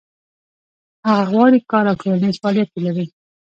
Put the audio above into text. هغه غواړي کار او ټولنیز فعالیت ولري.